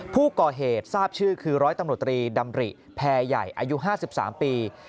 ผู้ก่อเหตุทราบชื่อคือร้อยตำรวจตรีดำริแพรใหญ่อายุ๕๓ปี